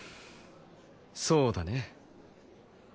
そうだね。